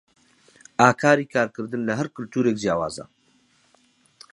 ئاکاری کارکردن لە هەر کولتوورێک جیاوازە.